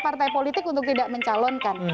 partai politik untuk tidak mencalonkan